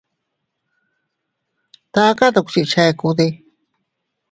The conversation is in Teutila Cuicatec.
¿Taka dukchi chekude?